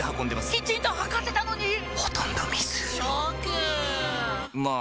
きちんと測ってたのに⁉ほとんど水ショックまあ